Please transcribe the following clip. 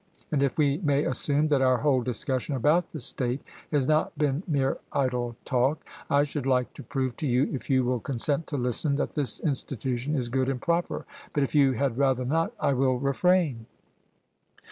And if we may assume that our whole discussion about the state has not been mere idle talk, I should like to prove to you, if you will consent to listen, that this institution is good and proper; but if you had rather not, I will refrain.